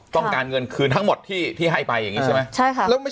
ต้องการเงินคืนทั้งหมดที่ให้ไปอย่างนี้ใช่ไหม